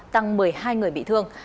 tăng một mươi hai người bị thương